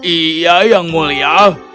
iya yang mulia